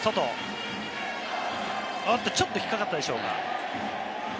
ちょっと引っかかったでしょうか？